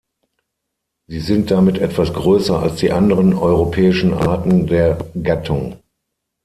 Sie sind damit etwas größer als die anderen europäischen Arten der Gattung.